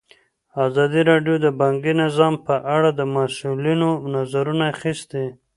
ازادي راډیو د بانکي نظام په اړه د مسؤلینو نظرونه اخیستي.